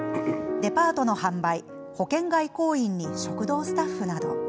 デパートの販売、保険外交員に食堂スタッフなど。